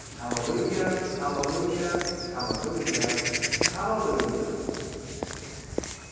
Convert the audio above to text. Hallelujah! Hallelujah! Hallelujuh! Hallelujah!